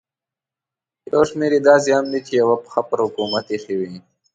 یو شمېر یې داسې هم دي چې یوه پښه پر حکومت ایښې وي.